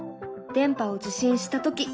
「電波を受信したとき」。